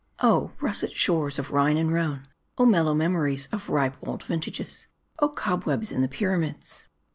Oh ! russet shores of Rhine and Rhone ! oh, mellow mem ories of ripe old vintages ! oh, cobwebs in the Pyramids